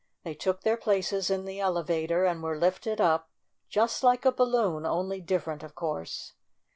They took their places in the elevator and were lifted up, just like a balloon, only different, of course.